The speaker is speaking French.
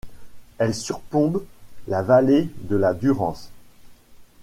Elle surplombe la vallée de la Durance.